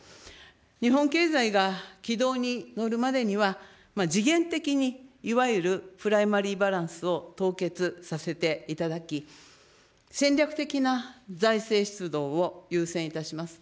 日本経済が軌道に乗るまでには、時限的にいわゆるプライマリーバランスを凍結させていただき、戦略的な財政出動を優先いたします。